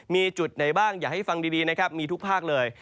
มีจุดไหนบ้างอยากให้ฟังดีนะครับมีทุกภาคเลย